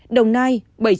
đồng nai bảy trăm bốn mươi năm